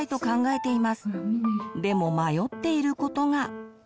でも迷っていることが。